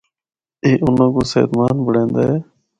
اے اُنّاں کو صحت مند بنڑیندا اے۔